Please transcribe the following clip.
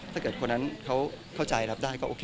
ถ้าเกิดคนนั้นเขาเข้าใจรับได้ก็โอเค